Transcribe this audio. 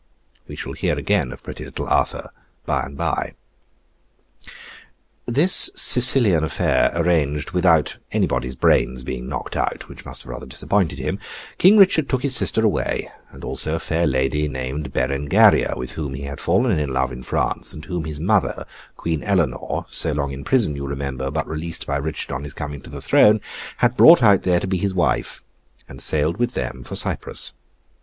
We shall hear again of pretty little Arthur by and by. This Sicilian affair arranged without anybody's brains being knocked out (which must have rather disappointed him), King Richard took his sister away, and also a fair lady named Berengaria, with whom he had fallen in love in France, and whom his mother, Queen Eleanor (so long in prison, you remember, but released by Richard on his coming to the Throne), had brought out there to be his wife; and sailed with them for Cyprus.